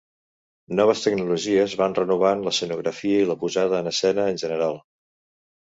Noves tecnologies van renovant l'escenografia i la posada en escena en general.